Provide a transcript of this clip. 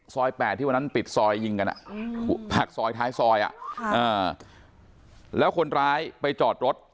๘ที่วันนั้นปิดซอยยิงกันผักซอยท้ายซอยแล้วคนร้ายไปจอดรถ